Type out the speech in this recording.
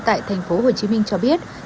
tại thành phố hồ chí minh cho biết